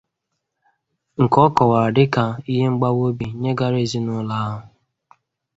nke ọ kọwara dịka ihe mgbawa obì nyegara ezinụlọ ahụ